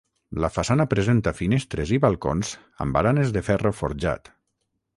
La façana presenta finestres i balcons amb baranes de ferro forjat.